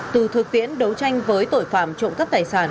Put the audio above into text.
từ thực tiễn đấu tranh với tội phạm trộm cắp tài sản